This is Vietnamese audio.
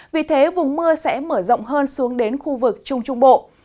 vì thế vùng mưa sẽ mở rộng hơn xuống đến khu vực trung trung bộ